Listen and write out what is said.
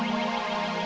sampai jumpa lagi